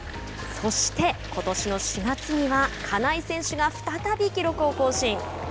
そして、ことしの４月には金井選手が再び記録を更新。